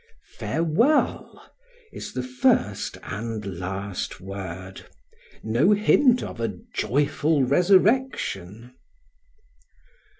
"Farewell" is the first and last word; no hint of a "joyful resurrection."